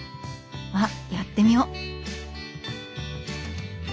あっやってみよ！